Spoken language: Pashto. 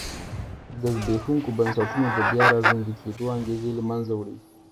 د زبېښونکو بنسټونو د بیا را ژوندي کېدو انګېزې له منځه وړي.